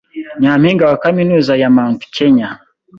Nyampinga wa Kaminuza ya Mount Kenya,